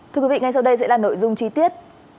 thưa quý vị ngay sau đây sẽ là nội dung chi tiết